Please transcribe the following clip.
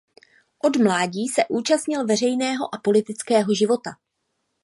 Od mládí se účastnil veřejného a politického života.